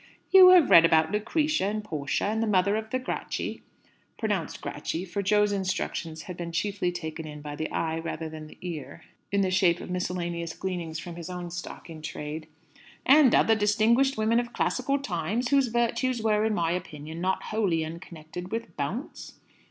"You have read about Lucretia, and Portia, and the mother of the Gracchi" (pronounced "Gratch I;" for Jo's instruction had been chiefly taken in by the eye rather than the ear, in the shape of miscellaneous gleanings from his own stock in trade), "and other distinguished women of classical times, whose virtues were, in my opinion, not wholly unconnected with bounce?"